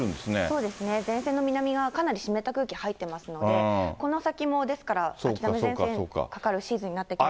そうですね、前線の南側、かなり湿った空気入ってますので、この先もですから、秋雨前線かかるシーズンになってきますので。